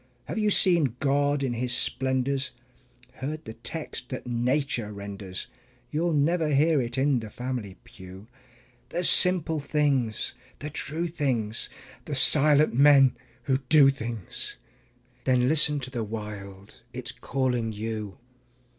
Have you seen God in His splendors, heard the text that nature renders? (You'll never hear it in the family pew). The simple things, the true things, the silent men who do things Then listen to the Wild it's calling you.